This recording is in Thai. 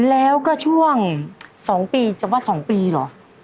แล้วก็ช่วง๒ปีจะว่า๒ปีเหรอ